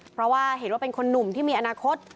เพราะว่าเห็นว่าเป็นคนหนุ่มที่มีอนาคต